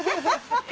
ハハハ。